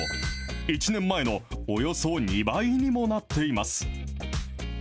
１年前のおよそ２倍にもなっています。